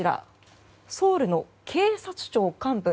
ソウルの警察庁幹部。